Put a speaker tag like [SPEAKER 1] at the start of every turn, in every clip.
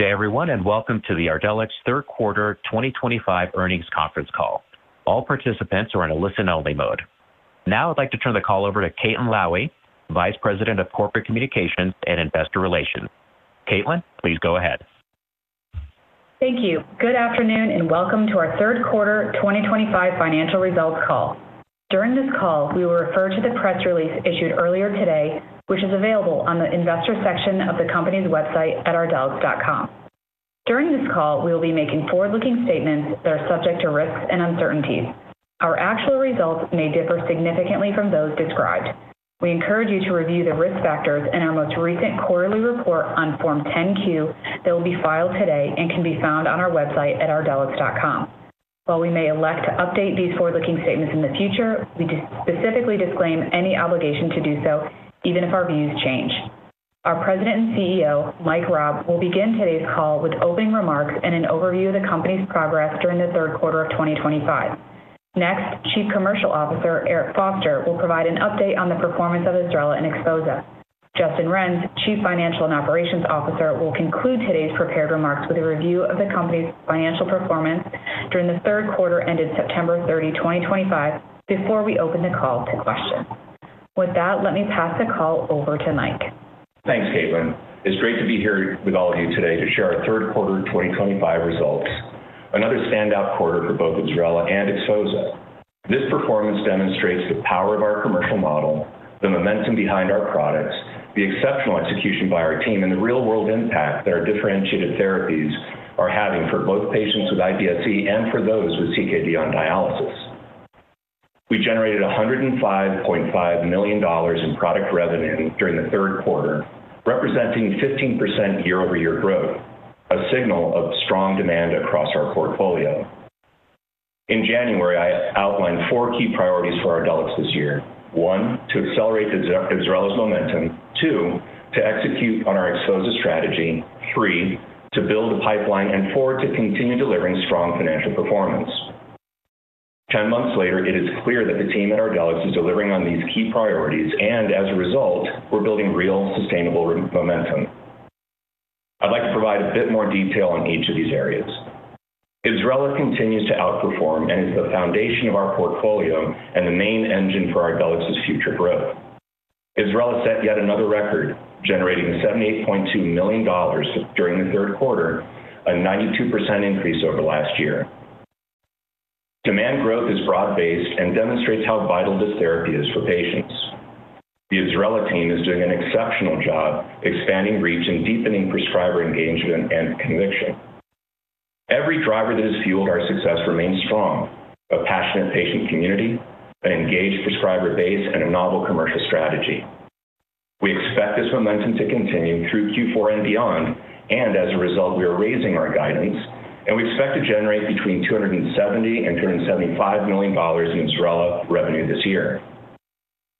[SPEAKER 1] Good day, everyone, and welcome to the Ardelyx third quarter 2025 earnings conference call. All participants are in a listen-only mode. Now I'd like to turn the call over to Caitlin Lowie, Vice President of Corporate Communications and Investor Relations. Caitlin, please go ahead.
[SPEAKER 2] Thank you. Good afternoon and welcome to our third quarter 2025 financial results call. During this call, we will refer to the press release issued earlier today, which is available on the investor section of the company's website at ardelyx.com. During this call, we will be making forward-looking statements that are subject to risks and uncertainties. Our actual results may differ significantly from those described. We encourage you to review the risk factors in our most recent quarterly report on Form 10-Q that will be filed today and can be found on our website at ardelyx.com. While we may elect to update these forward-looking statements in the future, we specifically disclaim any obligation to do so, even if our views change. Our President and CEO, Mike Raab, will begin today's call with opening remarks and an overview of the company's progress during the third quarter of 2025. Next, Chief Commercial Officer, Eric Foster, will provide an update on the performance of IBSRELA and XPHOZAH. Justin Renz, Chief Financial and Operations Officer, will conclude today's prepared remarks with a review of the company's financial performance during the third quarter ended September 30, 2025, before we open the call to questions. With that, let me pass the call over to Mike.
[SPEAKER 3] Thanks, Caitlin. It's great to be here with all of you today to share our third quarter 2025 results, another standout quarter for both IBSRELA and XPHOZAH. This performance demonstrates the power of our commercial model, the momentum behind our products, the exceptional execution by our team, and the real-world impact that our differentiated therapies are having for both patients with IBS-C and for those with CKD on dialysis. We generated $105.5 million in product revenue during third quarter, representing 15% year-over-year growth, a signal of strong demand across our portfolio. In January, I outlined four key priorities for Ardelyx this year: one, to accelerate IBSRELA's momentum; two, to execute on our XPHOZAH strategy; three, to build a pipeline; and four, to continue delivering strong financial performance. Ten months later, it is clear that the team at Ardelyx is delivering on these key priorities, and as a result, we're building real, sustainable momentum. I'd like to provide a bit more detail on each of these areas. IBSRELA continues to outperform and is the foundation of our portfolio and the main engine for Ardelyx's future growth. IBSRELA set yet another record, generating $78.2 million during the third quarter, a 92% increase over last year. Demand growth is broad-based and demonstrates how vital this therapy is for patients. The IBSRELA team is doing an exceptional job expanding reach and deepening prescriber engagement and conviction. Every driver that has fueled our success remains strong: a passionate patient community, an engaged prescriber base, and a novel commercial strategy. We expect this momentum to continue through Q4 and beyond, and as a result, we are raising our guidance, and we expect to generate between $270 million and $275 million in IBSRELA revenue this year.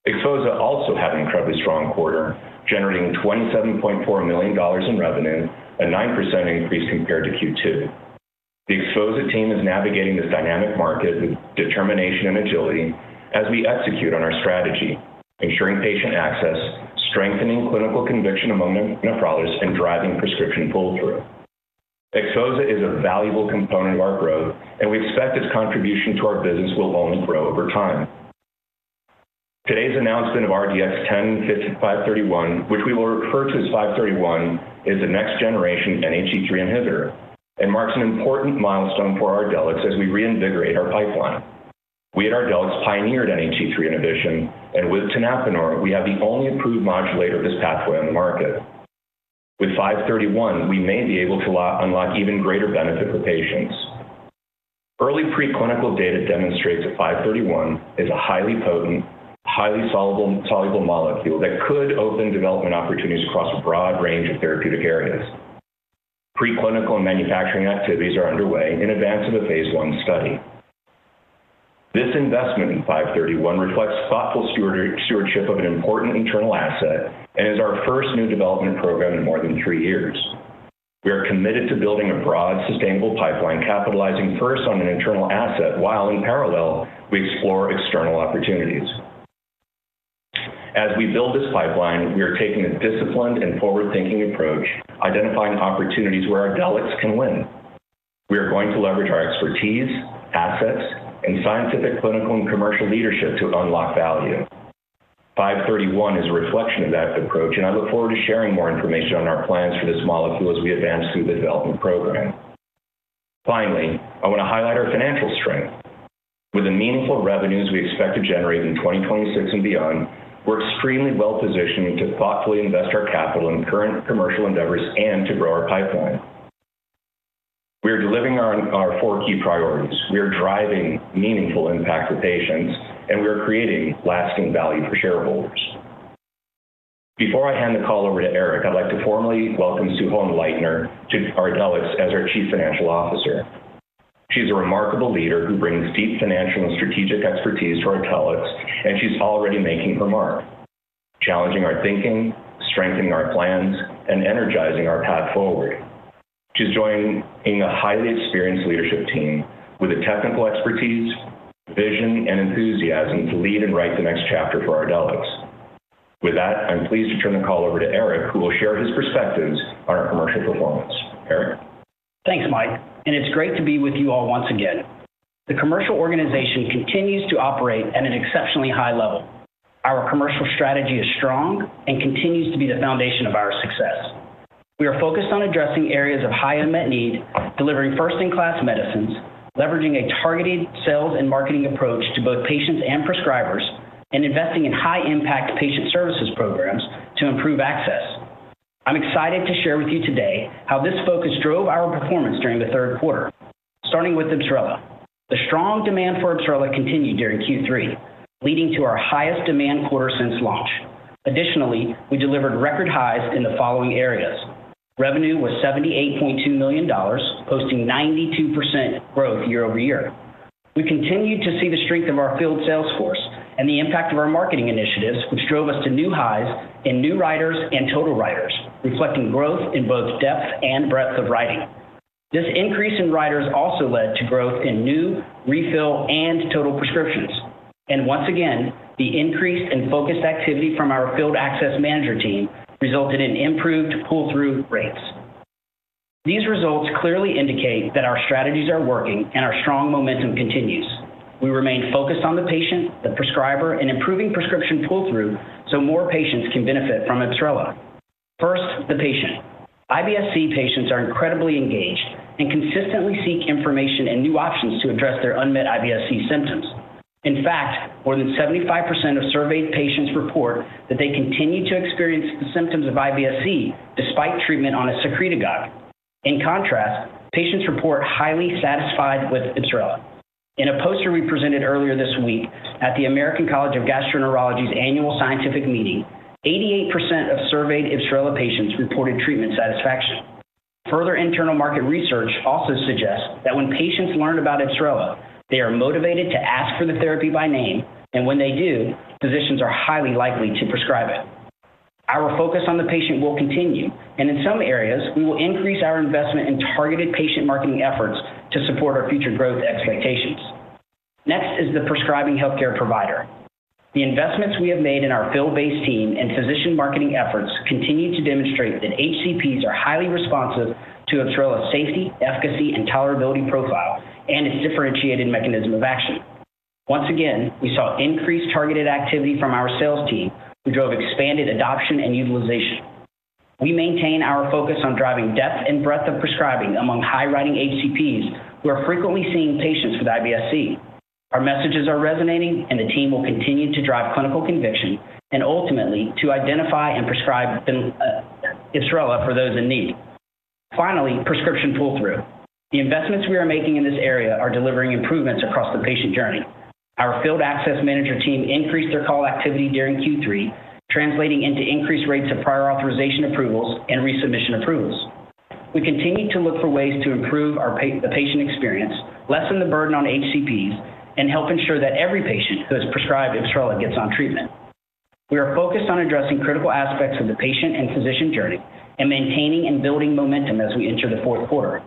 [SPEAKER 3] XPHOZAH also had an incredibly strong quarter, generating $27.4 million in revenue, a 9% increase compared to Q2. The XPHOZAH team is navigating this dynamic market with determination and agility as we execute on our strategy, ensuring patient access, strengthening clinical conviction among nephrologists, and driving prescription pull-through. XPHOZAH is a valuable component of our growth, and we expect its contribution to our business will only grow over time. Today's announcement of RDX10531, which we will refer to as 531, is the next-generation NHE3 inhibitor and marks an important milestone for Ardelyx as we reinvigorate our pipeline. We at Ardelyx pioneered NHE3 inhibition, and with tenapanor, we have the only approved modulator of this pathway on the market. With 531, we may be able to unlock even greater benefit for patients. Early preclinical data demonstrates that 531 is a highly potent, highly soluble molecule that could open development opportunities across a broad range of therapeutic areas. Preclinical and manufacturing activities are underway in advance of a Phase I study. This investment in 531 reflects thoughtful stewardship of an important internal asset and is our first new development program in more than three years. We are committed to building a broad, sustainable pipeline, capitalizing first on an internal asset while, in parallel, we explore external opportunities. As we build this pipeline, we are taking a disciplined and forward-thinking approach, identifying opportunities where Ardelyx can win. We are going to leverage our expertise, assets, and scientific, clinical, and commercial leadership to unlock value. 531 is a reflection of that approach, and I look forward to sharing more information on our plans for this molecule as we advance through the development program. Finally, I want to highlight our financial strength. With the meaningful revenues we expect to generate in 2026 and beyond, we're extremely well-positioned to thoughtfully invest our capital in current commercial endeavors and to grow our pipeline. We are delivering our four key priorities. We are driving meaningful impact for patients, and we are creating lasting value for shareholders. Before I hand the call over to Eric, I'd like to formally welcome Sue Hohenleitner to Ardelyx as our Chief Financial Officer. She's a remarkable leader who brings deep financial and strategic expertise to Ardelyx, and she's already making her mark, challenging our thinking, strengthening our plans, and energizing our path forward. She's joining a highly experienced leadership team with the technical expertise, vision, and enthusiasm to lead and write the next chapter for Ardelyx. With that, I'm pleased to turn the call over to Eric, who will share his perspectives on our commercial performance. Eric.
[SPEAKER 4] Thanks, Mike, and it's great to be with you all once again. The commercial organization continues to operate at an exceptionally high level. Our commercial strategy is strong and continues to be the foundation of our success. We are focused on addressing areas of high unmet need, delivering first-in-class medicines, leveraging a targeted sales and marketing approach to both patients and prescribers, and investing in high-impact patient services programs to improve access. I'm excited to share with you today how this focus drove our performance during the third quarter. Starting with IBSRELA, the strong demand for IBSRELA continued during Q3, leading to our highest demand quarter since launch. Additionally, we delivered record highs in the following areas. Revenue was $78.2 million, posting 92% growth year-over-year. We continued to see the strength of our field sales force and the impact of our marketing initiatives, which drove us to new highs in new writers and total writers, reflecting growth in both depth and breadth of writing. This increase in writers also led to growth in new, refill, and total prescriptions. Once again, the increased and focused activity from our field access manager team resulted in improved pull-through rates. These results clearly indicate that our strategies are working and our strong momentum continues. We remain focused on the patient, the prescriber, and improving prescription pull-through so more patients can benefit from IBSRELA. First, the patient. IBS-C patients are incredibly engaged and consistently seek information and new options to address their unmet IBS-C symptoms. In fact, more than 75% of surveyed patients report that they continue to experience the symptoms of IBS-C despite treatment on a secretagogue. In contrast, patients report highly satisfied with IBSRELA. In a poster we presented earlier this week at the American College of Gastroenterology's annual scientific meeting, 88% of surveyed IBSRELA patients reported treatment satisfaction. Further internal market research also suggests that when patients learn about IBSRELA, they are motivated to ask for the therapy by name, and when they do, physicians are highly likely to prescribe it. Our focus on the patient will continue, and in some areas, we will increase our investment in targeted patient marketing efforts to support our future growth expectations. Next is the prescribing healthcare provider. The investments we have made in our field-based team and physician marketing efforts continue to demonstrate that HCPs are highly responsive to IBSRELA's safety, efficacy, and tolerability profile and its differentiated mechanism of action. Once again, we saw increased targeted activity from our sales team, who drove expanded adoption and utilization. We maintain our focus on driving depth and breadth of prescribing among high-writing HCPs who are frequently seeing patients with IBS-C. Our messages are resonating, and the team will continue to drive clinical conviction and ultimately to identify and prescribe IBSRELA for those in need. Finally, prescription pull-through. The investments we are making in this area are delivering improvements across the patient journey. Our field access manager team increased their call activity during Q3, translating into increased rates of prior authorization approvals and resubmission approvals. We continue to look for ways to improve the patient experience, lessen the burden on HCPs, and help ensure that every patient who is prescribed IBSRELA gets on treatment. We are focused on addressing critical aspects of the patient and physician journey and maintaining and building momentum as we enter the fourth quarter.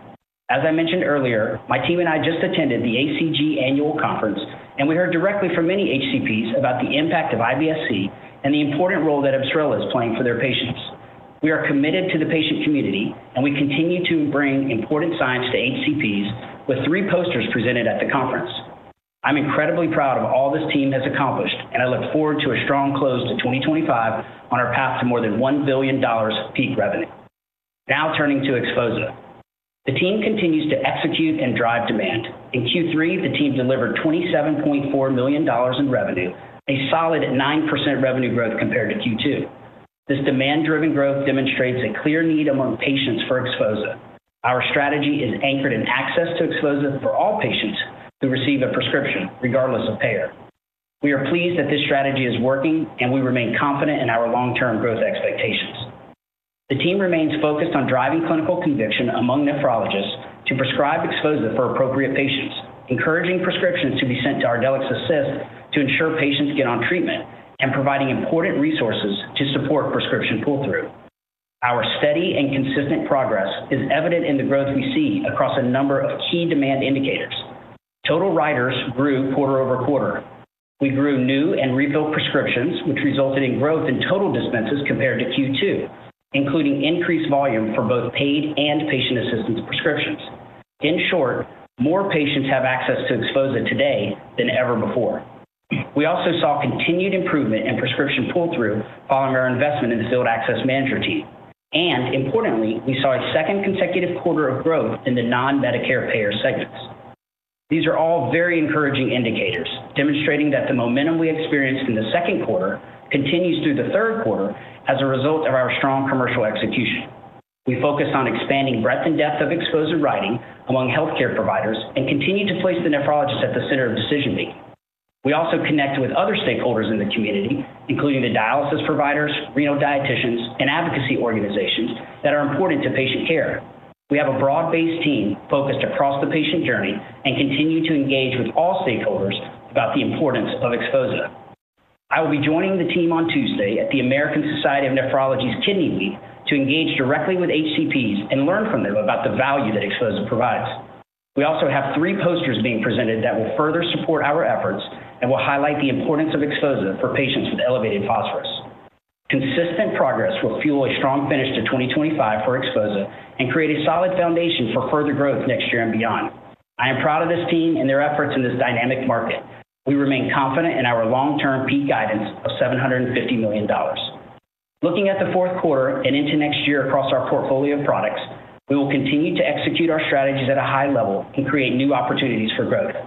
[SPEAKER 4] As I mentioned earlier, my team and I just attended the ACG annual conference, and we heard directly from many HCPs about the impact of IBS-C and the important role that IBSRELA is playing for their patients. We are committed to the patient community, and we continue to bring important science to HCPs with three posters presented at the conference. I'm incredibly proud of all this team has accomplished, and I look forward to a strong close to 2025 on our path to more than $1 billion peak revenue. Now turning to XPHOZAH. The team continues to execute and drive demand. In Q3, the team delivered $27.4 million in revenue, a solid 9% revenue growth compared to Q2. This demand-driven growth demonstrates a clear need among patients for XPHOZAH. Our strategy is anchored in access to XPHOZAH for all patients who receive a prescription, regardless of payer. We are pleased that this strategy is working, and we remain confident in our long-term growth expectations. The team remains focused on driving clinical conviction among nephrologists to prescribe XPHOZAH for appropriate patients, encouraging prescriptions to be sent to Ardelyx Assist to ensure patients get on treatment, and providing important resources to support prescription pull-through. Our steady and consistent progress is evident in the growth we see across a number of key demand indicators. Total writers grew quarter over quarter. We grew new and refilled prescriptions, which resulted in growth in total dispenses compared to Q2, including increased volume for both paid and patient-assisted prescriptions. In short, more patients have access to XPHOZAH today than ever before. We also saw continued improvement in prescription pull-through following our investment in the field access manager team. Importantly, we saw a second consecutive quarter of growth in the non-Medicare payer segments. These are all very encouraging indicators, demonstrating that the momentum we experienced in the second quarter continues through the third quarter as a result of our strong commercial execution. We focused on expanding breadth and depth of XPHOZAH writing among healthcare providers and continue to place the nephrologist at the center of decision-making. We also connect with other stakeholders in the community, including the dialysis providers, renal dieticians, and advocacy organizations that are important to patient care. We have a broad-based team focused across the patient journey and continue to engage with all stakeholders about the importance of XPHOZAH. I will be joining the team on Tuesday at the American Society of Nephrology's Kidney Week to engage directly with HCPs and learn from them about the value that XPHOZAH provides. We also have three posters being presented that will further support our efforts and will highlight the importance of XPHOZAH for patients with elevated phosphorus. Consistent progress will fuel a strong finish to 2025 for XPHOZAH and create a solid foundation for further growth next year and beyond. I am proud of this team and their efforts in this dynamic market. We remain confident in our long-term peak guidance of $750 million. Looking at the fourth quarter and into next year across our portfolio of products, we will continue to execute our strategies at a high level and create new opportunities for growth.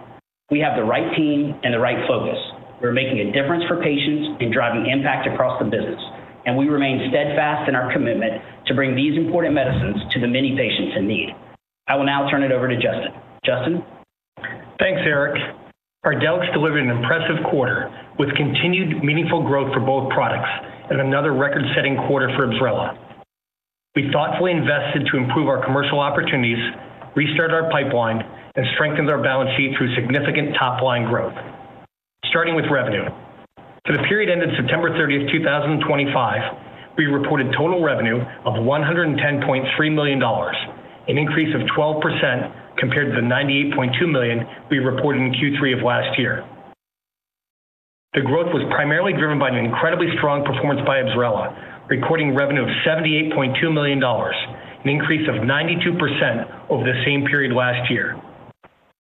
[SPEAKER 4] We have the right team and the right focus. We're making a difference for patients and driving impact across the business, and we remain steadfast in our commitment to bring these important medicines to the many patients in need. I will now turn it over to Justin. Justin.
[SPEAKER 5] Thanks, Eric. Ardelyx delivered an impressive quarter with continued meaningful growth for both products and another record-setting quarter for IBSRELA. We thoughtfully invested to improve our commercial opportunities, restarted our pipeline, and strengthened our balance sheet through significant top-line growth. Starting with revenue. For the period ended September 30, 2025, we reported total revenue of $110.3 million, an increase of 12% compared to the $98.2 million we reported in Q3 of last year. The growth was primarily driven by an incredibly strong performance by IBSRELA, recording revenue of $78.2 million, an increase of 92% over the same period last year.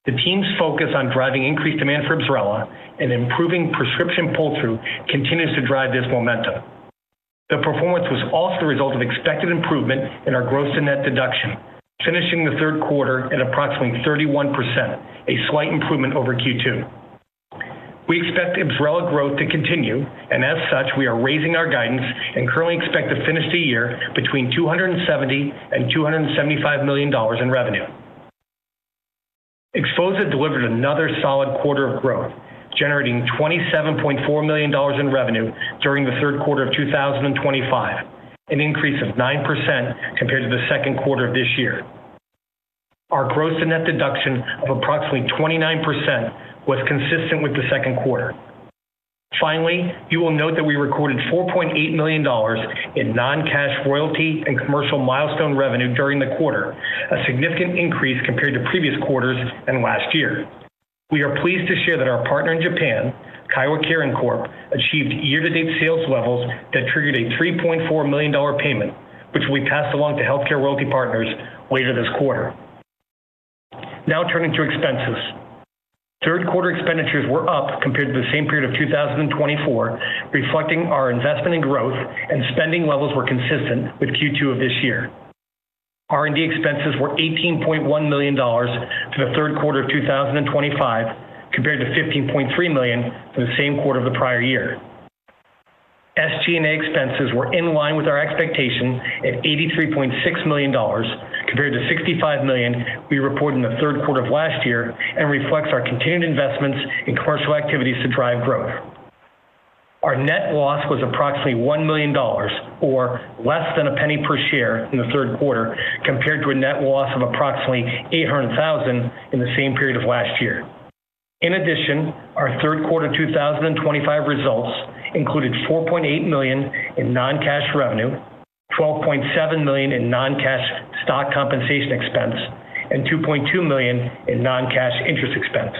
[SPEAKER 5] The team's focus on driving increased demand for IBSRELA and improving prescription pull-through continues to drive this momentum. The performance was also the result of expected improvement in our gross-to-net deduction, finishing the third quarter at approximately 31%, a slight improvement over Q2. We expect IBSRELA growth to continue, and as such, we are raising our guidance and currently expect to finish the year between $270 and $275 million in revenue. XPHOZAH delivered another solid quarter of growth, generating $27.4 million in revenue during the third quarter of 2025, an increase of 9% compared to the second quarter of this year. Our gross-to-net deduction of approximately 29% was consistent with the second quarter. Finally, you will note that we recorded $4.8 million in non-cash royalty and commercial milestone revenue during the quarter, a significant increase compared to previous quarters and last year. We are pleased to share that our partner in Japan, Kyowa Kirin Co, achieved year-to-date sales levels that triggered a $3.4 million payment, which we passed along to HealthCare Royalty Partners later this quarter. Now turning to expenses. Third quarter expenditures were up compared to the same period of 2024, reflecting our investment in growth, and spending levels were consistent with Q2 of this year. R&D expenses were $18.1 million for the third quarter of 2025 compared to $15.3 million for the same quarter of the prior year. SG&A expenses were in line with our expectation at $83.6 million compared to $65 million we reported in the third quarter of last year and reflects our continued investments in commercial activities to drive growth. Our net loss was approximately $1 million, or less than a penny per share in the third quarter, compared to a net loss of approximately $800,000 in the same period of last year. In addition, our third quarter 2025 results included $4.8 million in non-cash revenue, $12.7 million in non-cash stock compensation expense, and $2.2 million in non-cash interest expense.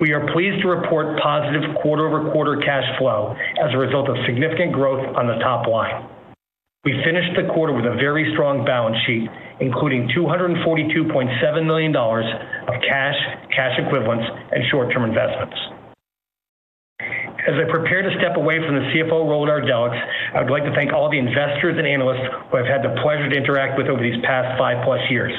[SPEAKER 5] We are pleased to report positive quarter-over-quarter cash flow as a result of significant growth on the top line. We finished the quarter with a very strong balance sheet, including $242.7 million of cash, cash equivalents, and short-term investments. As I prepare to step away from the CFO role at Ardelyx, I would like to thank all the investors and analysts who I've had the pleasure to interact with over these past five-plus years.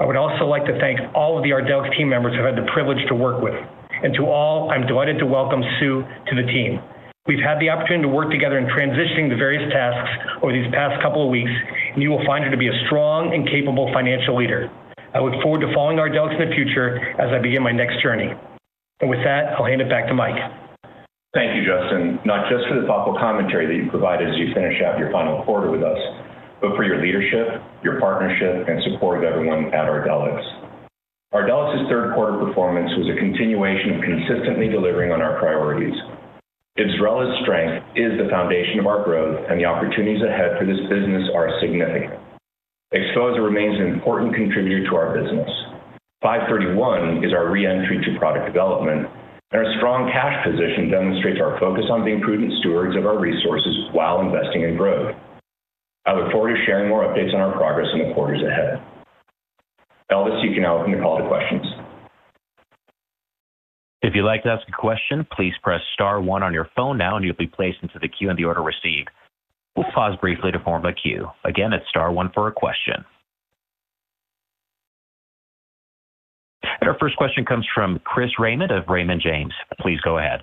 [SPEAKER 5] I would also like to thank all of the Ardelyx team members who I've had the privilege to work with. I'm delighted to welcome Sue to the team. We've had the opportunity to work together in transitioning the various tasks over these past couple of weeks, and you will find her to be a strong and capable financial leader. I look forward to following Ardelyx in the future as I begin my next journey. With that, I'll hand it back to Mike.
[SPEAKER 3] Thank you, Justin. Not just for the thoughtful commentary that you provided as you finished out your final quarter with us, but for your leadership, your partnership, and support of everyone at Ardelyx. Ardelyx's third quarter performance was a continuation of consistently delivering on our priorities. IBSRELA's strength is the foundation of our growth, and the opportunities ahead for this business are significant. XPHOZAH remains an important contributor to our business. 531 is our re-entry to product development, and our strong cash position demonstrates our focus on being prudent stewards of our resources while investing in growth. I look forward to sharing more updates on our progress in the quarters ahead. Elvis, you can now open the call to questions.
[SPEAKER 1] If you'd like to ask a question, please press star one on your phone now, and you'll be placed into the queue in the order received. We'll pause briefly to form a queue. Again, it's star one for a question. Our first question comes from Chris Raymond of Raymond James. Please go ahead.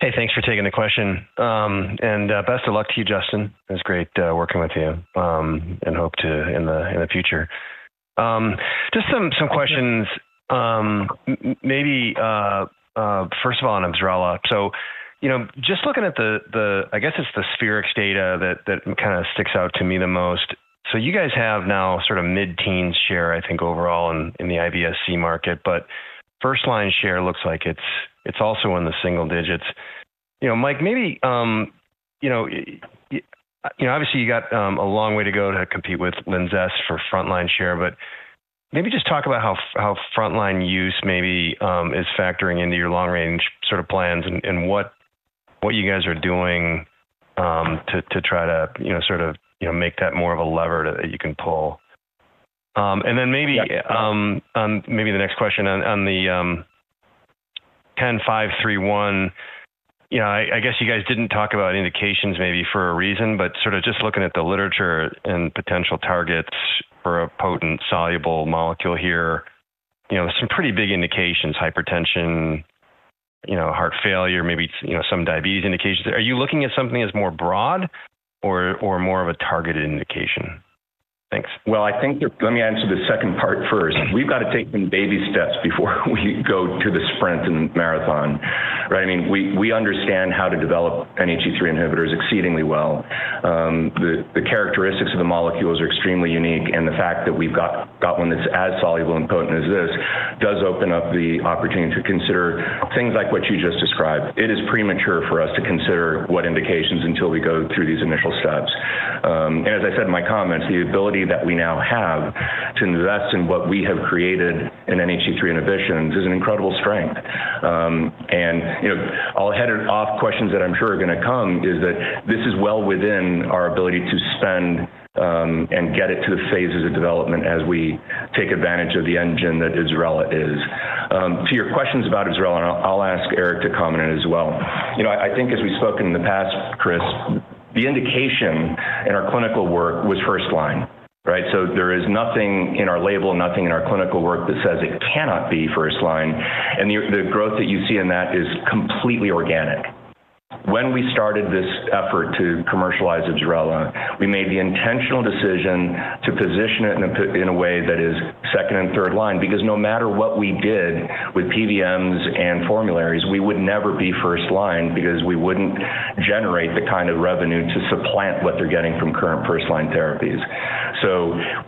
[SPEAKER 6] Hey, thanks for taking the question. Best of luck to you, Justin. It was great working with you and hope to in the future. Just some questions. First of all, on IBSRELA. Looking at the, I guess it's the Spherix data that kind of sticks out to me the most. You guys have now sort of mid-teens share, I think, overall in the IBS-C market, but first-line share looks like it's also in the single digits. Mike, maybe. Obviously, you got a long way to go to compete with LINZESS for front-line share, but maybe just talk about how front-line use is factoring into your long-range sort of plans and what you guys are doing to try to make that more of a lever that you can pull. On the next question, on the 10531. I guess you guys didn't talk about indications for a reason, but just looking at the literature and potential targets for a potent soluble molecule here, there's some pretty big indications: hypertension, heart failure, maybe some diabetes indications. Are you looking at something as more broad or more of a targeted indication? Thanks.
[SPEAKER 3] I think let me answer the second part first. We've got to take some baby steps before we go to the sprint and marathon. I mean, we understand how to develop NHE3 inhibitors exceedingly well. The characteristics of the molecules are extremely unique, and the fact that we've got one that's as soluble and potent as this does open up the opportunity to consider things like what you just described. It is premature for us to consider what indications until we go through these initial steps. As I said in my comments, the ability that we now have to invest in what we have created in NHE3 inhibition is an incredible strength. I'll head off questions that I'm sure are going to come that this is well within our ability to spend and get it to the phases of development as we take advantage of the engine that IBSRELA is. To your questions about IBSRELA, I'll ask Eric to comment on it as well. I think as we've spoken in the past, Chris, the indication in our clinical work was first-line. There is nothing in our label, nothing in our clinical work that says it cannot be first-line, and the growth that you see in that is completely organic. When we started this effort to commercialize IBSRELA, we made the intentional decision to position it in a way that is second and third line because no matter what we did with PBMs and formularies, we would never be first-line because we wouldn't generate the kind of revenue to supplant what they're getting from current first-line therapies.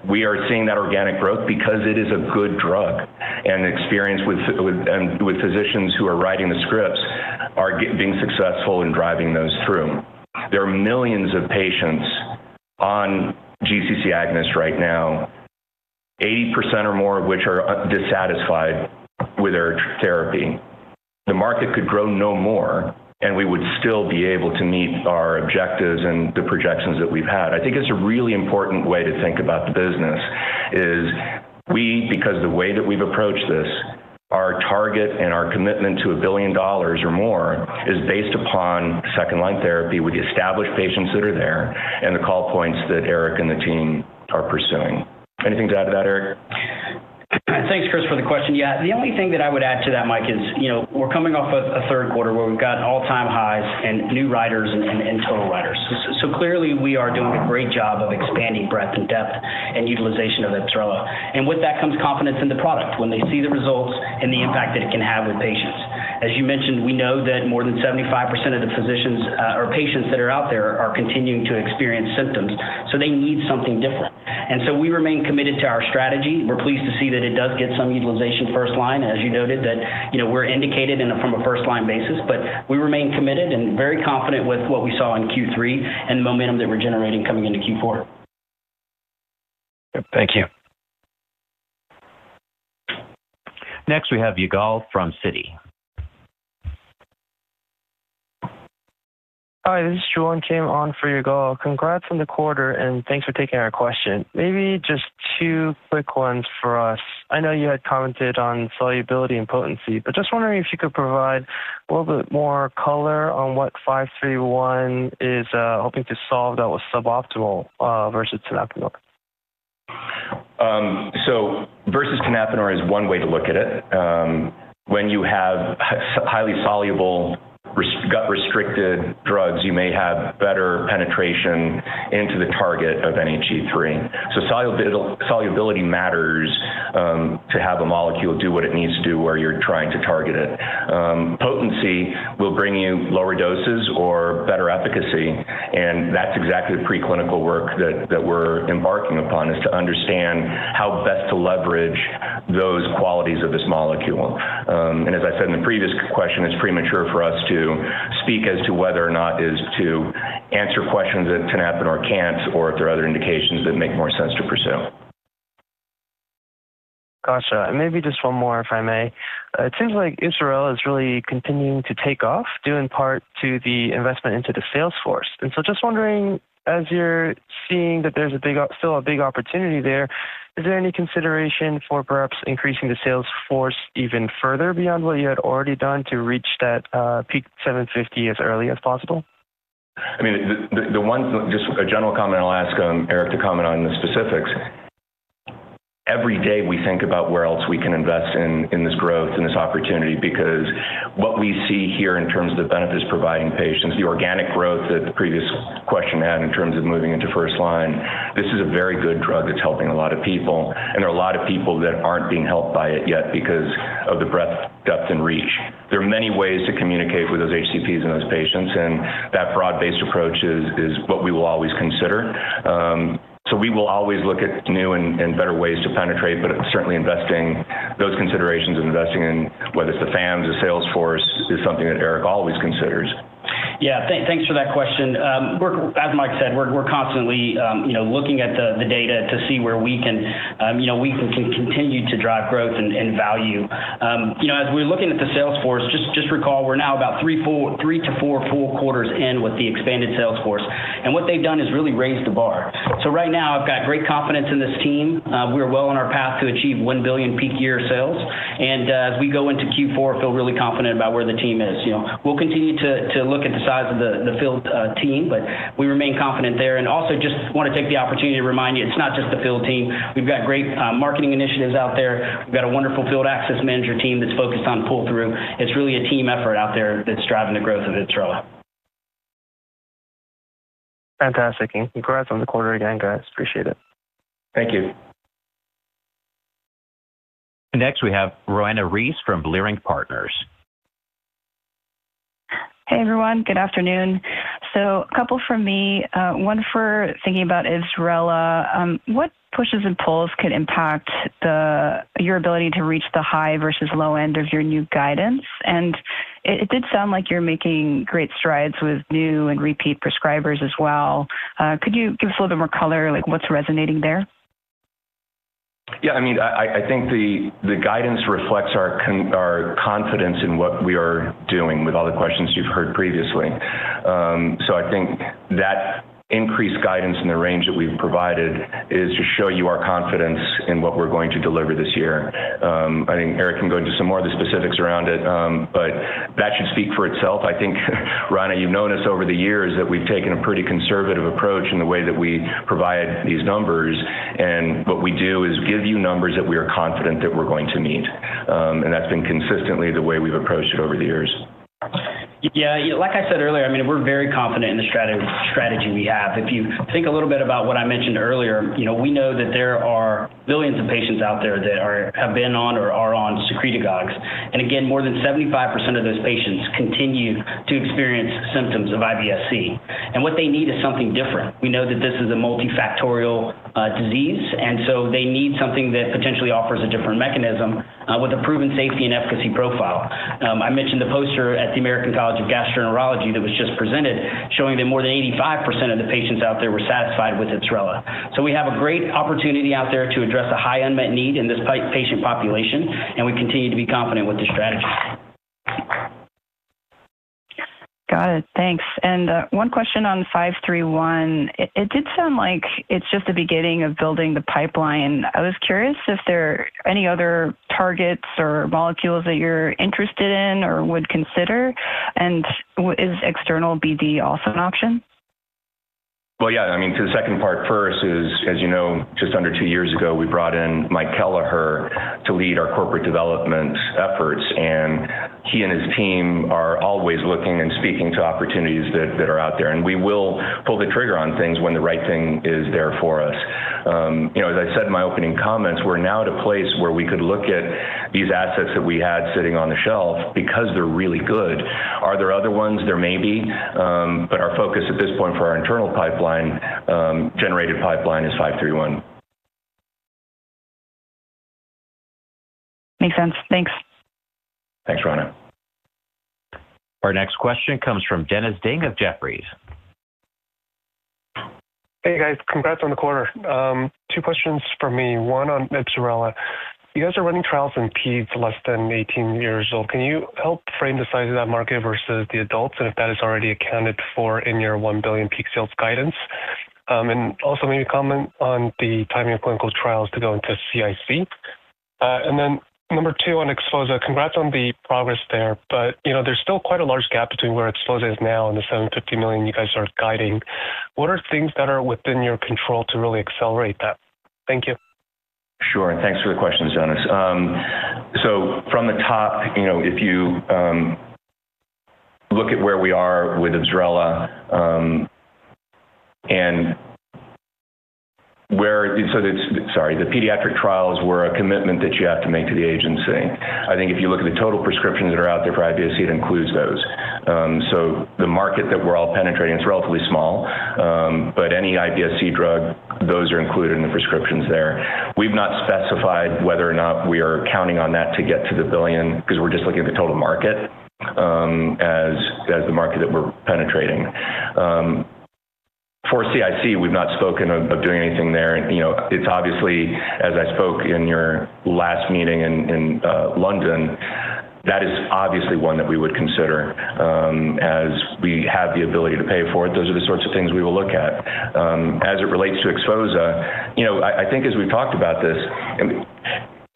[SPEAKER 3] We are seeing that organic growth because it is a good drug, and experience with physicians who are writing the scripts are being successful in driving those through. There are millions of patients on GCC agonists right now, 80% or more of which are dissatisfied with their therapy. The market could grow no more, and we would still be able to meet our objectives and the projections that we've had. I think it's a really important way to think about the business. Because the way that we've approached this, our target and our commitment to a billion dollars or more is based upon second-line therapy with the established patients that are there and the call points that Eric and the team are pursuing. Anything to add to that, Eric?
[SPEAKER 4] Thanks, Chris, for the question. Yeah, the only thing that I would add to that, Mike, is we're coming off a third quarter where we've got all-time highs in new writers and total writers. Clearly, we are doing a great job of expanding breadth and depth and utilization of IBSRELA. With that comes confidence in the product when they see the results and the impact that it can have with patients. As you mentioned, we know that more than 75% of the physicians or patients that are out there are continuing to experience symptoms, so they need something different. We remain committed to our strategy. We're pleased to see that it does get some utilization first-line, as you noted, that we're indicated from a first-line basis, but we remain committed and very confident with what we saw in Q3 and the momentum that we're generating coming into Q4.
[SPEAKER 6] Thank you.
[SPEAKER 1] Next, we have Yigal from Citi.
[SPEAKER 7] Hi, this is Joohwan Kim on for Yigal. Congrats on the quarter, and thanks for taking our question. Maybe just two quick ones for us. I know you had commented on solubility and potency, but just wondering if you could provide a little bit more color on what 531 is hoping to solve that was suboptimal versus tenapanor.
[SPEAKER 3] Versus tenapanor is one way to look at it. When you have highly soluble, gut-restricted drugs, you may have better penetration into the target of NHE3. Solubility matters to have a molecule do what it needs to do where you're trying to target it. Potency will bring you lower doses or better efficacy, and that's exactly the preclinical work that we're embarking upon, to understand how best to leverage those qualities of this molecule. As I said in the previous question, it's premature for us to speak as to whether or not it is to answer questions that tenapanor can't or if there are other indications that make more sense to pursue.
[SPEAKER 7] Gotcha. Maybe just one more, if I may. It seems like IBSRELA is really continuing to take off due in part to the investment into the Salesforce. I am just wondering, as you're seeing that there's still a big opportunity there, is there any consideration for perhaps increasing the Salesforce even further beyond what you had already done to reach that peak 750 as early as possible?
[SPEAKER 3] I mean, the one is just a general comment. I'll ask Eric to comment on the specifics. Every day, we think about where else we can invest in this growth and this opportunity because what we see here in terms of the benefits providing patients, the organic growth that the previous question had in terms of moving into first-line, this is a very good drug that's helping a lot of people, and there are a lot of people that aren't being helped by it yet because of the breadth, depth, and reach. There are many ways to communicate with those HCPs and those patients, and that broad-based approach is what we will always consider. We will always look at new and better ways to penetrate, but certainly investing those considerations and investing in whether it's the fans, the Salesforce is something that Eric always considers.
[SPEAKER 4] Yeah, thanks for that question. As Mike said, we're constantly looking at the data to see where we can continue to drive growth and value. As we're looking at the Salesforce, just recall we're now about three to four full quarters in with the expanded Salesforce, and what they've done is really raised the bar. Right now, I've got great confidence in this team. We're well on our path to achieve $1 billion peak year sales, and as we go into Q4, feel really confident about where the team is. We'll continue to look at the size of the field team, but we remain confident there. I also just want to take the opportunity to remind you, it's not just the field team. We've got great marketing initiatives out there. We've got a wonderful field access manager team that's focused on pull-through. It's really a team effort out there that's driving the growth of IBSRELA.
[SPEAKER 7] Fantastic. Congratulations on the quarter again, guys. Appreciate it.
[SPEAKER 3] Thank you.
[SPEAKER 1] Next, we have Roanna Ruiz from Leerink Partners.
[SPEAKER 8] Hey, everyone. Good afternoon. A couple from me. One for thinking about IBSRELA. What pushes and pulls could impact your ability to reach the high versus low end of your new guidance? It did sound like you're making great strides with new and repeat prescribers as well. Could you give us a little bit more color? What's resonating there?
[SPEAKER 3] Yeah, I mean, I think the guidance reflects our confidence in what we are doing with all the questions you've heard previously. I think that increased guidance in the range that we've provided is to show you our confidence in what we're going to deliver this year. I think Eric can go into some more of the specifics around it, but that should speak for itself. I think, Roanna, you've known us over the years that we've taken a pretty conservative approach in the way that we provide these numbers, and what we do is give you numbers that we are confident that we're going to meet. That's been consistently the way we've approached it over the years.
[SPEAKER 4] Yeah, like I said earlier, I mean, we're very confident in the strategy we have. If you think a little bit about what I mentioned earlier, we know that there are millions of patients out there that have been on or are on secretagogues. Again, more than 75% of those patients continue to experience symptoms of IBS-C, and what they need is something different. We know that this is a multifactorial disease, and they need something that potentially offers a different mechanism with a proven safety and efficacy profile. I mentioned the poster at the American College of Gastroenterology that was just presented showing that more than 85% of the patients out there were satisfied with IBSRELA. We have a great opportunity out there to address a high unmet need in this patient population, and we continue to be confident with the strategy.
[SPEAKER 8] Got it. Thanks. One question on 531. It did sound like it's just the beginning of building the pipeline. I was curious if there are any other targets or molecules that you're interested in or would consider, and is external BD also an option?
[SPEAKER 3] To the second part first, as you know, just under two years ago, we brought in Mike Kelliher to lead our Corporate Development efforts, and he and his team are always looking and speaking to opportunities that are out there. We will pull the trigger on things when the right thing is there for us. As I said in my opening comments, we're now at a place where we could look at these assets that we had sitting on the shelf because they're really good. Are there other ones? There may be, but our focus at this point for our internal pipeline, generated pipeline is 531.
[SPEAKER 8] Makes sense. Thanks.
[SPEAKER 3] Thanks, Roanna.
[SPEAKER 1] Our next question comes from Dennis Ding of Jefferies.
[SPEAKER 9] Hey, guys. Congrats on the quarter. Two questions for me. One on IBSRELA. You guys are running trials in peds less than 18 years old. Can you help frame the size of that market versus the adults and if that is already accounted for in your $1 billion peak sales guidance? Also, maybe comment on the timing of clinical trials to go into CIC. Number two, on XPHOZAH. Congrats on the progress there, but there's still quite a large gap between where XPHOZAH is now and the $750 million you guys are guiding. What are things that are within your control to really accelerate that? Thank you.
[SPEAKER 3] Sure. Thanks for the questions, Dennis. If you look at where we are with IBSRELA, the pediatric trials were a commitment that you have to make to the agency. I think if you look at the total prescriptions that are out there for IBS-C, it includes those. The market that we're all penetrating is relatively small, but any IBS-C drug, those are included in the prescriptions there. We've not specified whether or not we are counting on that to get to the billion because we're just looking at the total market as the market that we're penetrating. For CIC, we've not spoken of doing anything there. It's obviously, as I spoke in your last meeting in London, that is obviously one that we would consider. As we have the ability to pay for it, those are the sorts of things we will look at. As it relates to XPHOZAH, I think as we've talked about this,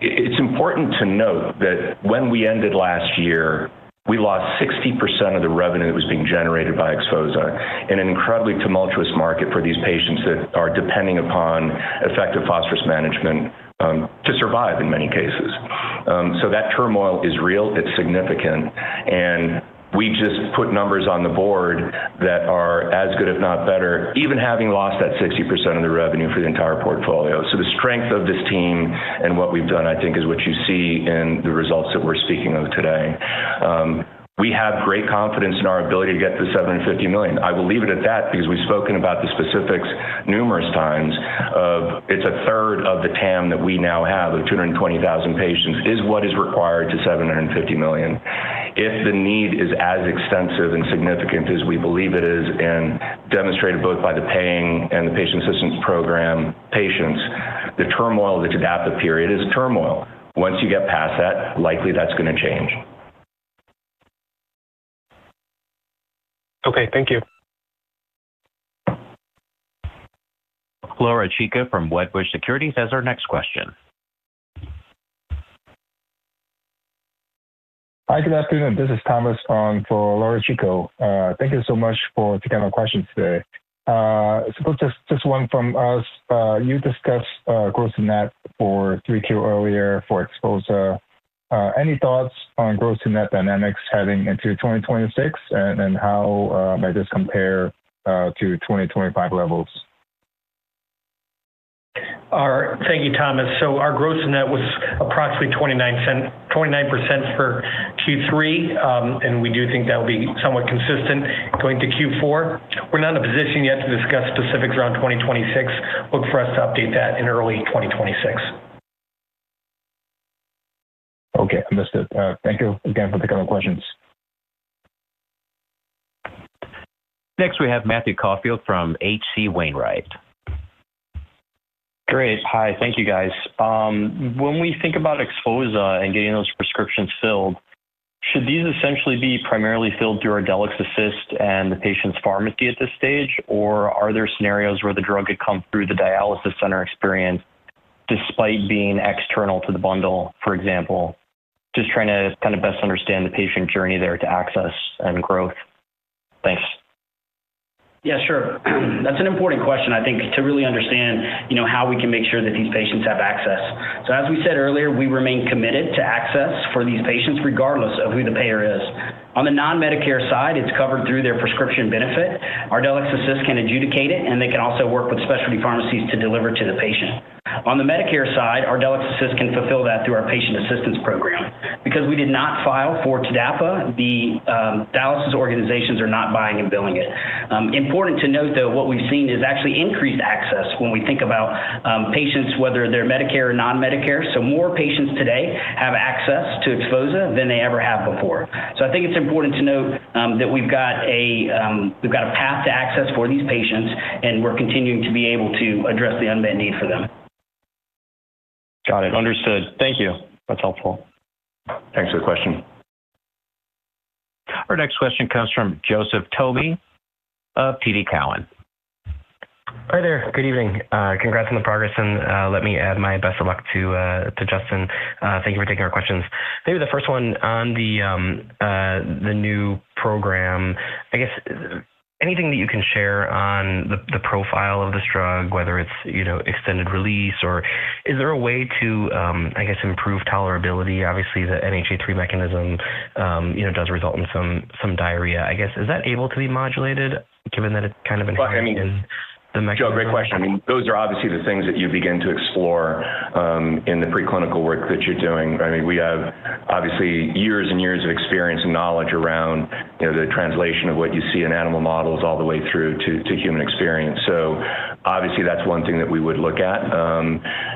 [SPEAKER 3] it's important to note that when we ended last year, we lost 60% of the revenue that was being generated by XPHOZAH in an incredibly tumultuous market for these patients that are depending upon effective phosphorus management to survive in many cases. That turmoil is real. It's significant. We just put numbers on the board that are as good, if not better, even having lost that 60% of the revenue for the entire portfolio. The strength of this team and what we've done, I think, is what you see in the results that we're speaking of today. We have great confidence in our ability to get to the $750 million. I will leave it at that because we've spoken about the specifics numerous times. It's a third of the TAM that we now have of 220,000 patients is what is required to $750 million. If the need is as extensive and significant as we believe it is and demonstrated both by the paying and the patient assistance program patients, the turmoil that's at that period is turmoil. Once you get past that, likely that's going to change. Okay, thank you.
[SPEAKER 1] Laura Chico from Wedbush Securities has our next question.
[SPEAKER 10] Hi, good afternoon. This is Thomas from Laura Chico. Thank you so much for taking our questions today. Just one from us. You discussed gross-to-net for 3Q earlier for XPHOZAH. Any thoughts on gross-to-net dynamics heading into 2026, and how might this compare to 2025 levels?
[SPEAKER 5] Thank you, Thomas. Our growth in that was approximately 29% for Q3, and we do think that will be somewhat consistent going to Q4. We're not in a position yet to discuss specifics around 2026. Look for us to update that in early 2026.
[SPEAKER 10] Okay, I missed it. Thank you again for the comment, questions.
[SPEAKER 1] Next, we have Matthew Caulfield from H.C. Wainwright.
[SPEAKER 11] Great. Hi. Thank you, guys. When we think about XPHOZAH and getting those prescriptions filled, should these essentially be primarily filled through ArdelyxAssist and the patient's pharmacy at this stage, or are there scenarios where the drug could come through the dialysis center experience despite being external to the bundle, for example? Just trying to kind of best understand the patient journey there to access and growth. Thanks.
[SPEAKER 4] Yeah, sure. That's an important question, I think, to really understand how we can make sure that these patients have access. As we said earlier, we remain committed to access for these patients regardless of who the payer is. On the non-Medicare side, it's covered through their prescription benefit. ArdelyxAssist can adjudicate it, and they can also work with specialty pharmacies to deliver to the patient. On the Medicare side, ArdelyxAssist can fulfill that through our patient assistance program. Because we did not file for TDAPA, the dialysis organizations are not buying and billing it. It is important to note, though, what we've seen is actually increased access when we think about patients, whether they're Medicare or non-Medicare. More patients today have access to XPHOZAH than they ever have before. I think it's important to note that we've got a path to access for these patients, and we're continuing to be able to address the unmet need for them.
[SPEAKER 11] Got it. Understood. Thank you. That's helpful.
[SPEAKER 3] Thanks for the question.
[SPEAKER 1] Our next question comes from Joseph Thome of TD Cowen.
[SPEAKER 12] Hi there. Good evening. Congrats on the progress, and let me add my best of luck to Justin. Thank you for taking our questions. Maybe the first one on the new program. I guess anything that you can share on the profile of this drug, whether it's extended release or is there a way to, I guess, improve tolerability? Obviously, the NHE3 mechanism does result in some diarrhea. I guess, is that able to be modulated given that it's kind of in the.
[SPEAKER 3] Great question. Those are obviously the things that you begin to explore in the preclinical work that you're doing. We have obviously years and years of experience and knowledge around the translation of what you see in animal models all the way through to human experience. That's one thing that we would look at.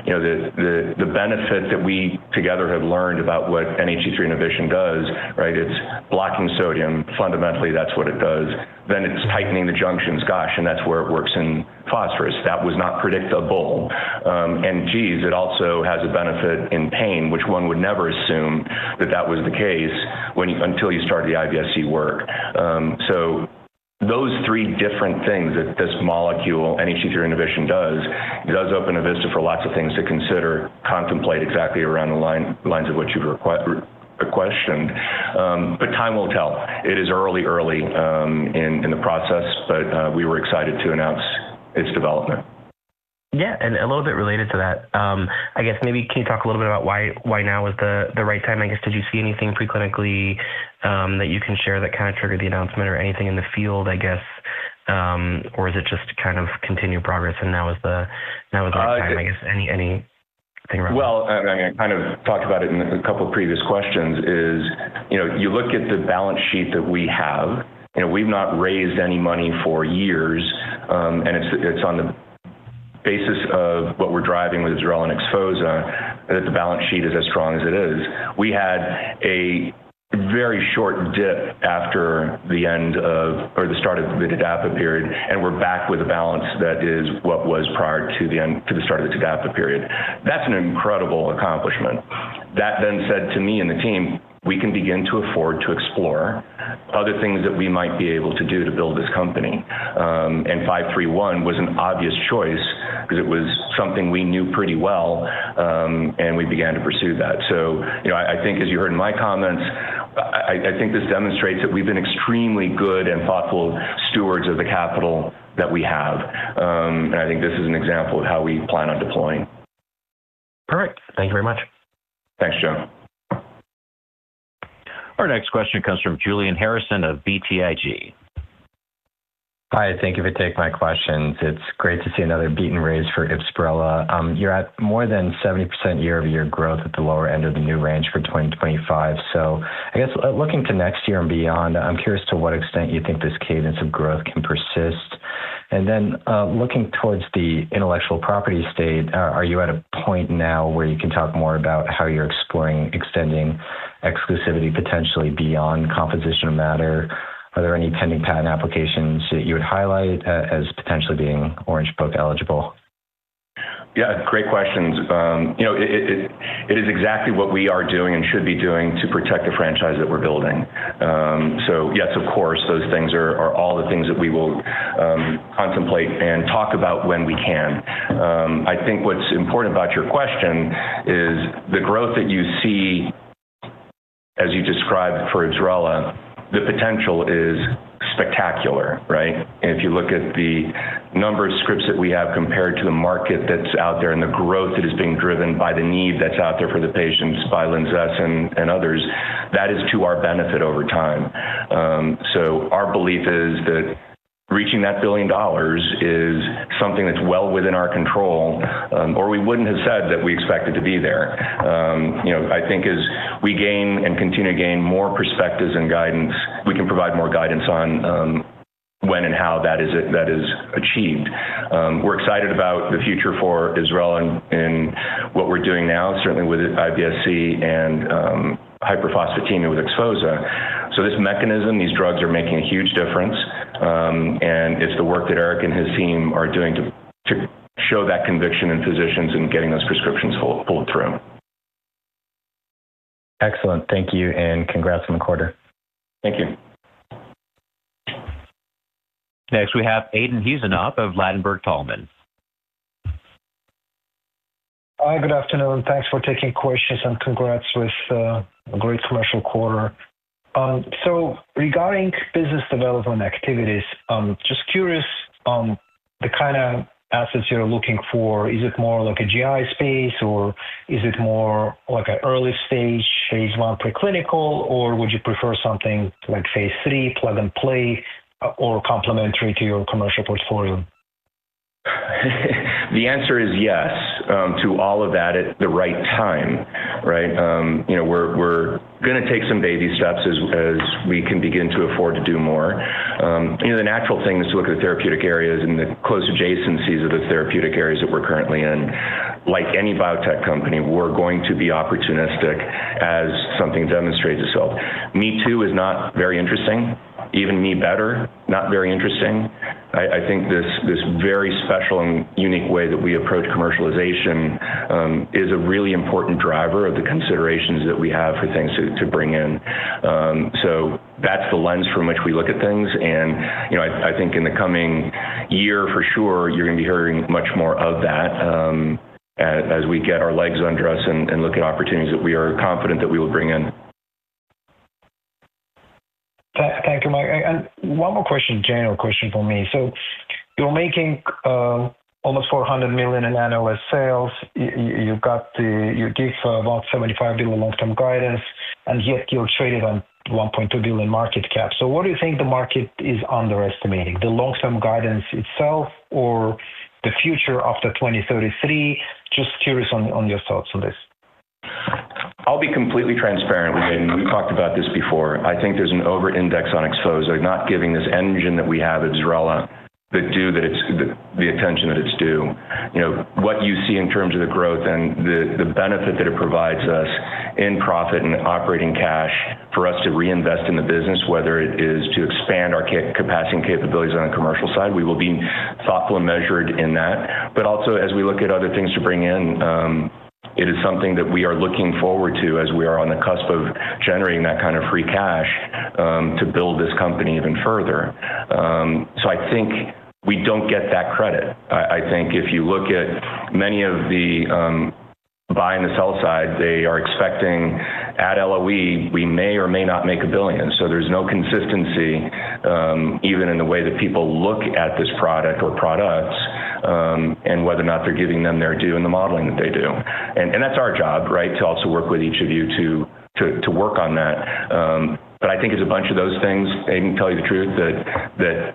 [SPEAKER 3] The benefit that we together have learned about what NHE3 inhibition does, right, it's blocking sodium. Fundamentally, that's what it does. It's tightening the junctions. That's where it works in phosphorus. That was not predictable. It also has a benefit in pain, which one would never assume that that was the case until you started the IBS-C work. Those three different things that this molecule, NHE3 inhibition, does open a vista for lots of things to consider, contemplate exactly around the lines of what you've questioned. Time will tell. It is early in the process, but we were excited to announce its development.
[SPEAKER 12] Yeah, a little bit related to that, I guess maybe can you talk a little bit about why now was the right time? I guess, did you see anything preclinically that you can share that kind of triggered the announcement or anything in the field? I guess, or is it just kind of continued progress and now is the time? I guess, anything around that?
[SPEAKER 3] I kind of talked about it in a couple of previous questions. If you look at the balance sheet that we have, we've not raised any money for years, and it's on the basis of what we're driving with IBSRELA and XPHOZAH that the balance sheet is as strong as it is. We had a very short dip after the end of or the start of the TDAPA period, and we're back with a balance that is what was prior to the start of the TDAPA period. That's an incredible accomplishment. That then said to me and the team, we can begin to afford to explore other things that we might be able to do to build this company. 531 was an obvious choice because it was something we knew pretty well, and we began to pursue that. I think, as you heard in my comments, I think this demonstrates that we've been extremely good and thoughtful stewards of the capital that we have. I think this is an example of how we plan on deploying.
[SPEAKER 12] Perfect. Thank you very much.
[SPEAKER 3] Thanks, Joe.
[SPEAKER 1] Our next question comes from Julian Harrison of BTIG.
[SPEAKER 13] Hi. Thank you for taking my questions. It's great to see another beat and raise for IBSRELA. You're at more than 70% year-over-year growth at the lower end of the new range for 2025. Looking to next year and beyond, I'm curious to what extent you think this cadence of growth can persist. Looking towards the intellectual property state, are you at a point now where you can talk more about how you're exploring extending exclusivity potentially beyond composition of matter? Are there any pending patent applications that you would highlight as potentially being Orange Book eligible?
[SPEAKER 3] Yeah. Great questions. It is exactly what we are doing and should be doing to protect the franchise that we're building. Yes, of course, those things are all the things that we will contemplate and talk about when we can. I think what's important about your question is the growth that you see. As you described for IBSRELA, the potential is spectacular, right? If you look at the number of scripts that we have compared to the market that's out there and the growth that is being driven by the need that's out there for the patients by LINZESS and others, that is to our benefit over time. Our belief is that reaching that $1 billion is something that's well within our control, or we wouldn't have said that we expect it to be there. I think as we gain and continue to gain more perspectives and guidance, we can provide more guidance on when and how that is achieved. We're excited about the future for IBSRELA and what we're doing now, certainly with IBS-C and hyperphosphatemia with XPHOZAH. This mechanism, these drugs are making a huge difference. It's the work that Eric and his team are doing to show that conviction in physicians and getting those prescriptions pulled through.
[SPEAKER 13] Excellent. Thank you, and congrats on the quarter.
[SPEAKER 3] Thank you.
[SPEAKER 1] Next, we have Aydin Huseynov of Ladenburg Thalmann.
[SPEAKER 14] Hi, good afternoon. Thanks for taking questions and congrats with a great commercial quarter. Regarding business development activities, just curious on the kind of assets you're looking for. Is it more like a GI space, or is it more like an early stage phase one preclinical, or would you prefer something like phase three, plug and play, or complementary to your commercial portfolio?
[SPEAKER 3] The answer is yes to all of that at the right time, right? We're going to take some baby steps as we can begin to afford to do more. The natural thing is to look at the therapeutic areas and the close adjacencies of the therapeutic areas that we're currently in. Like any biotech company, we're going to be opportunistic as something demonstrates itself. Me too is not very interesting. Even me better, not very interesting. I think this very special and unique way that we approach commercialization is a really important driver of the considerations that we have for things to bring in. That's the lens from which we look at things. I think in the coming year, for sure, you're going to be hearing much more of that as we get our legs under us and look at opportunities that we are confident that we will bring in.
[SPEAKER 14] Thank you, Mike. One more general question for me. You're making almost $400 million in annual sales. You give about $7.5 billion long-term guidance, and yet you're traded on a $1.2 billion market cap. What do you think the market is underestimating? The long-term guidance itself or the future after 2033? Just curious on your thoughts on this.
[SPEAKER 3] I'll be completely transparent with you. We've talked about this before. I think there's an over-index on XPHOZAH, not giving this engine that we have at IBSRELA the attention that it's due. What you see in terms of the growth and the benefit that it provides us in profit and operating cash for us to reinvest in the business, whether it is to expand our capacity and capabilities on the commercial side, we will be thoughtful and measured in that. Also, as we look at other things to bring in, it is something that we are looking forward to as we are on the cusp of generating that kind of free cash to build this company even further. I think we don't get that credit. I think if you look at many of the buy and the sell side, they are expecting at LOE, we may or may not make a billion. There's no consistency even in the way that people look at this product or products and whether or not they're giving them their due in the modeling that they do. That's our job, right, to also work with each of you to work on that. I think it's a bunch of those things. I can tell you the truth that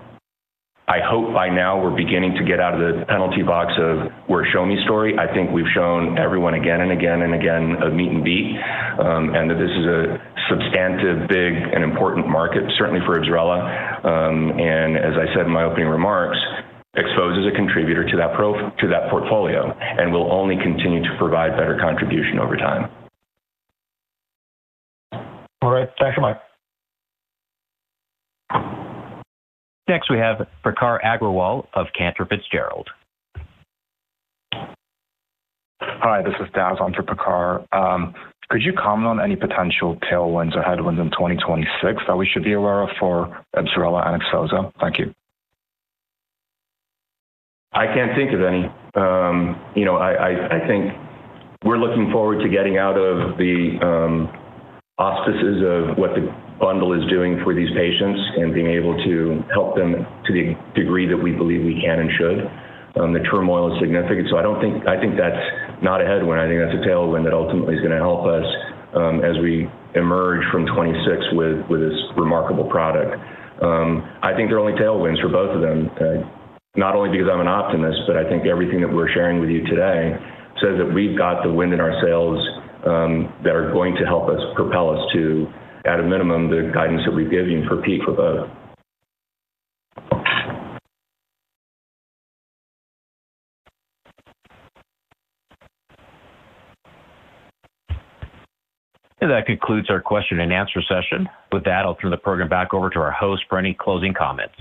[SPEAKER 3] I hope by now we're beginning to get out of the penalty box of we're a show-me story. I think we've shown everyone again and again and again a meet and beat and that this is a substantive, big, and important market, certainly for IBSRELA. As I said in my opening remarks, XPHOZAH is a contributor to that portfolio and will only continue to provide better contribution over time.
[SPEAKER 13] All right. Thank you, Mike.
[SPEAKER 1] Next, we have Prakhar Agrawal of Cantor Fitzgerald.
[SPEAKER 15] Hi, this is Daz. I'm for Prakhar. Could you comment on any potential tailwinds or headwinds in 2026 that we should be aware of for IBSRELA and XPHOZAH? Thank you.
[SPEAKER 3] I can't think of any. I think we're looking forward to getting out of the auspices of what the bundle is doing for these patients and being able to help them to the degree that we believe we can and should. The turmoil is significant. I think that's not a headwind. I think that's a tailwind that ultimately is going to help us as we emerge from 2026 with this remarkable product. I think there are only tailwinds for both of them, not only because I'm an optimist, but I think everything that we're sharing with you today says that we've got the wind in our sails that are going to help propel us to, at a minimum, the guidance that we've given for peak for both.
[SPEAKER 1] That concludes our question and answer session. With that, I'll turn the program back over to our host for any closing comments.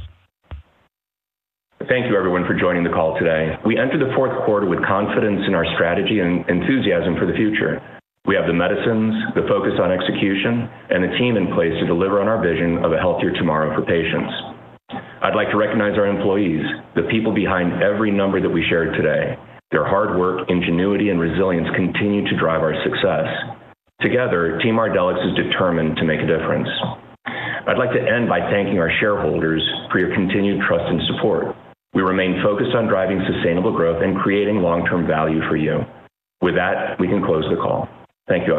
[SPEAKER 3] Thank you, everyone, for joining the call today. We entered the fourth quarter with confidence in our strategy and enthusiasm for the future. We have the medicines, the focus on execution, and the team in place to deliver on our vision of a healthier tomorrow for patients. I'd like to recognize our employees, the people behind every number that we shared today. Their hard work, ingenuity, and resilience continue to drive our success. Together, Team Ardelyx is determined to make a difference. I'd like to end by thanking our shareholders for your continued trust and support. We remain focused on driving sustainable growth and creating long-term value for you. With that, we can close the call. Thank you.